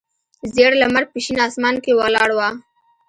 زیړ لمر په شین اسمان کې ولاړ و.